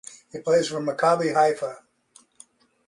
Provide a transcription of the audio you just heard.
He plays for Maccabi Haifa.